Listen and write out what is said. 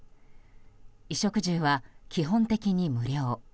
衣食住は基本的に無料。